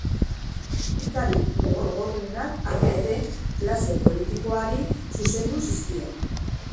Kritikarik gogorrenak, hala ere, klase politikoari zuzendu zizkion.